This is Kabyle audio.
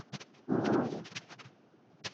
Ur.